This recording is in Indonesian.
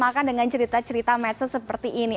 maksudnya apa sih bahwa cerita cerita di medsos seperti ini